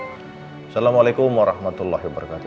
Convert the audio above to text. assalamualaikum warahmatullahi wabarakatuh